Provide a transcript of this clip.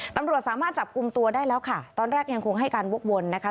ตำรวจสามารถจับกลุ่มตัวได้แล้วค่ะตอนแรกยังคงให้การวกวนนะคะ